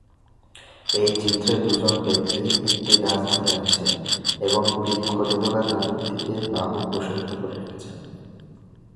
এই চিত্রে দুজন ব্যক্তি একটি গাছ ধরে আছে এবং বৃক্ষ দেবতা তাদের দিকে বাহু প্রসারিত করে রেখেছেন।